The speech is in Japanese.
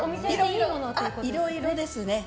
いろいろですね。